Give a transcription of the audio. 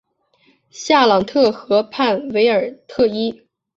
夏朗特河畔韦尔特伊。